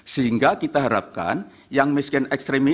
sehingga kita harapkan yang miskin ekstrim ini